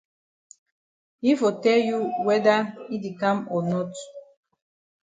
Yi for tell you whether yi di kam o not.